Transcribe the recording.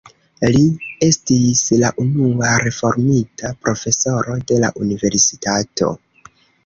Li estis la unua reformita profesoro de la universitato.